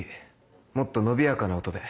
もっと伸びやかな音で。